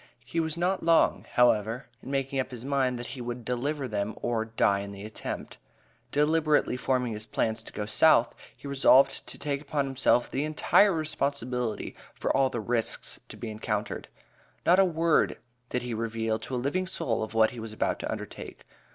He was not long, however, in making up his mind that he would deliver them or "die in the attempt." Deliberately forming his plans to go South, he resolved to take upon himself the entire responsibility of all the risks to be encountered. Not a word did he reveal to a living soul of what he was about to undertake.